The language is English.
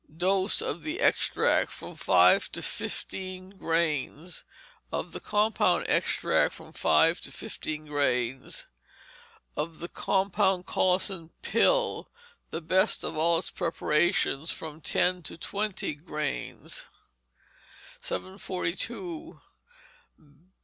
Dose, of the extract, from five to fifteen grains; of the compound extract, from five to fifteen grains; of the compound colocynth pill, the best of all its preparations, from ten to twenty grains. 742.